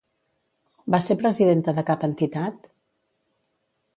Va ser presidenta de cap entitat?